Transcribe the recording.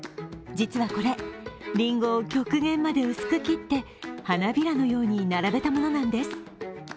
実はこれ、りんごを極限まで薄く切って花びらのように並べたものなんです。